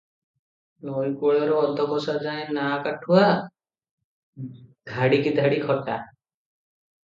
ନଈ କୂଳରେ ଅଧକୋଶଯାଏଁ ନାଆ କାଠୁଆ ଧାଡ଼ିକି ଧାଡ଼ି ଖଟା ।